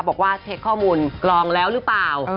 บอกว่าเช็คข้อมูลกลองแล้วหรือเปล่า